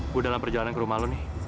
gue dalam perjalanan ke rumah lo nih